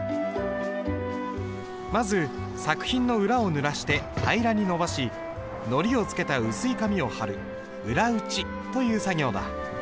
まず作品の裏をぬらして平らに伸ばしのりをつけた薄い紙を貼る裏打ちという作業だ。